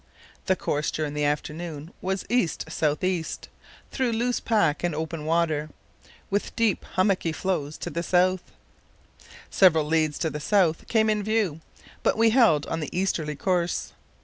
The course during the afternoon was east south east through loose pack and open water, with deep hummocky floes to the south. Several leads to the south came in view, but we held on the easterly course.